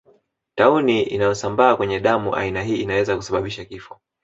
Tauni nayosambaa kwenye damu aina hii inaweza kusababisha kifo